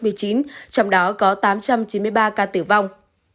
trong đó có tám trăm chín mươi ba ca tử vong